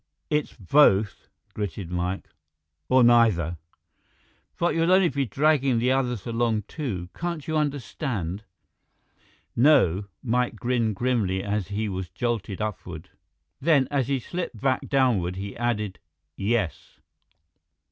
"It's both," gritted Mike, "or neither!" "But you'll only be dragging the others along, too. Can't you understand?" "No." Mike grinned grimly as he was jolted upward. Then, as he slipped back downward, he added, "Yes."